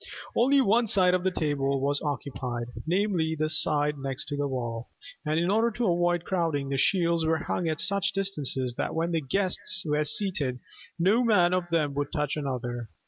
Only one side of the tables was occupied, namely, the side next the wall: and in order to avoid crowding, the shields were hung at such a distance that when the guests were seated "no man of them would touch another."